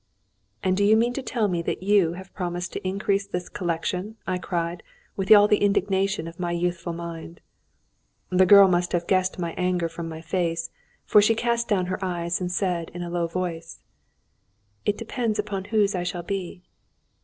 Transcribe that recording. "And do you mean to tell me that you have promised to increase this collection?" I cried, with all the indignation of my youthful mind. The girl must have guessed my anger from my face, for she cast down her eyes and said, in a low voice: "It depends upon whose I shall be."